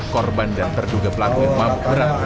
korban dan terduga pelaku yang mampu berangkat